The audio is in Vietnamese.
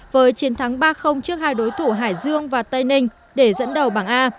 với chiến thắng ba trước hai đối thủ hải dương và tây ninh để dẫn đầu bảng a